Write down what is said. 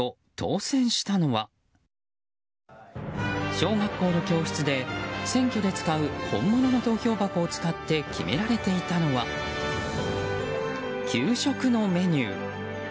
小学校の教室で選挙で使う本物の投票箱を使って決められていたのは給食のメニュー。